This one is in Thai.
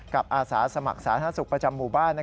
อาสาสมัครสาธารณสุขประจำหมู่บ้าน